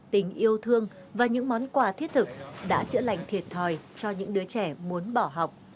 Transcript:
tình yêu thương và những món quà thiết thực đã chữa lành thiệt thòi cho những đứa trẻ muốn bỏ học